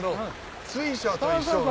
水車と一緒だ。